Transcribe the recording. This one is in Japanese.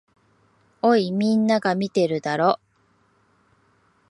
おい、みんなが見てるだろ。